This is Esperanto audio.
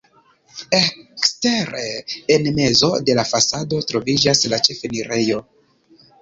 Ekstere en mezo de la fasado troviĝas la ĉefenirejo.